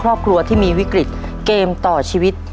ครอบครัวที่มีวิกฤตเกมต่อชีวิต